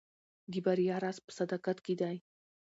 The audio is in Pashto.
د بریا راز په صداقت کې دی.